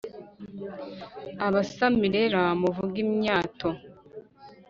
abasamirera muvuge imyato